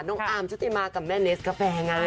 อาร์มชุติมากับแม่เนสกาแฟไง